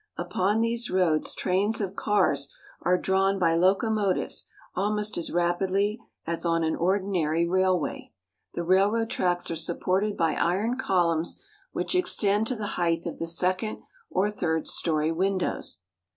Upon these roads trains of cars are drawn by locomotives almost as rapidly as on an ordinary THE ELEVATED RAILROAD. 67 railway. The railroad tracks are supported by iron col umns which extend to the height of the second or third story windows.